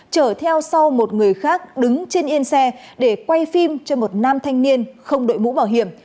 chở theo sau một người khác đứng trên yên xe để quay phim cho một nam thanh niên không đội mũ bảo hiểm